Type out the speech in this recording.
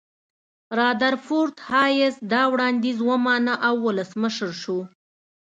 رادرفورد هایس دا وړاندیز ومانه او ولسمشر شو.